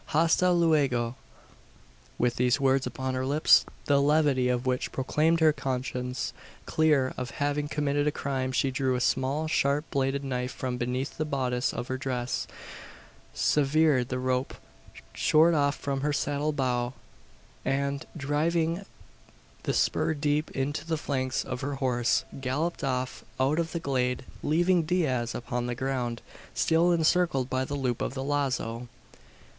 Hasta luego!" With these words upon her lips the levity of which proclaimed her conscience clear of having committed a crime she drew a small sharp bladed knife from beneath the bodice of her dress; severed the rope short off from her saddle bow; and, driving the spur deep into the flanks of her horse, galloped off out of the glade leaving Diaz upon the ground, still encircled by the loop of the lazo!